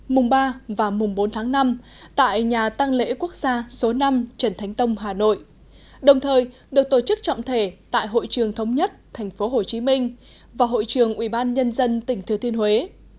mùng ba và mùng bốn tháng năm tại nhà tăng lễ quốc gia số năm trần thánh tông hà nội đồng thời được tổ chức trọng thể tại hội trường thống nhất tp hcm và hội trường ubnd tỉnh thừa thiên huế